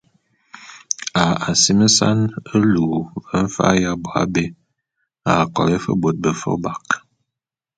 A asimesan e luu ve mfa’a y abo abé a kolé fe bôt befe ôbak.